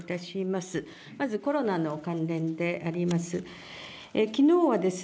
まずコロナの関連であります。